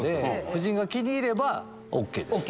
夫人が気に入ればＯＫです。